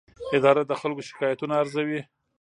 اداره د خلکو شکایتونه ارزوي.